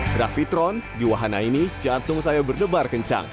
grafitron di wahana ini jantung saya berdebar kencang